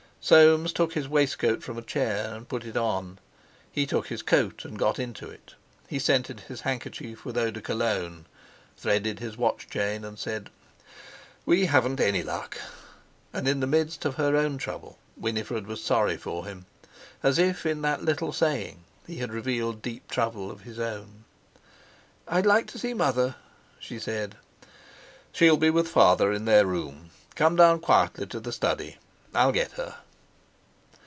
Soames took his waistcoat from a chair and put it on, he took his coat and got into it, he scented his handkerchief with eau de Cologne, threaded his watch chain, and said: "We haven't any luck." And in the midst of her own trouble Winifred was sorry for him, as if in that little saying he had revealed deep trouble of his own. "I'd like to see mother," she said. "She'll be with father in their room. Come down quietly to the study. I'll get her."